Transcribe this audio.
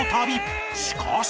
しかし